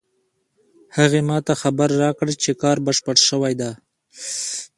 هغې ما ته خبر راکړ چې کار بشپړ شوی ده